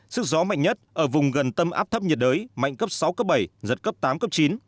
sức gió mạnh nhất ở vùng gần tâm áp thấp nhiệt đới mạnh cấp sáu cấp bảy giật cấp tám cấp chín